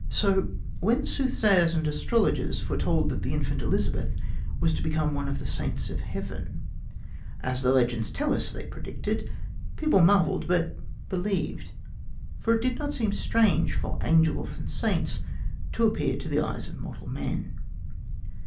So when soothsayers and astrologers foretold that the infant Elizabeth was to become one of the Saints of Heaven, as the legends tell us they predicted, people marveled, but believed, for it did not seem strange for Angels and Saints to appear to the eyes of mortal men.